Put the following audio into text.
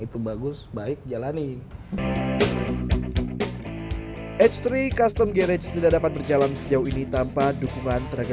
itu bagus baik jalanin h tiga custom garage sudah dapat berjalan sejauh ini tanpa dukungan tenaga